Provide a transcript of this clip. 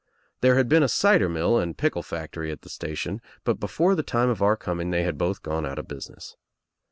There had been a cider mill and pickle factory at the station, but before the time of our coming they had both gone out of business.